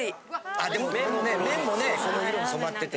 あでもこのね麺もねその色に染まってて。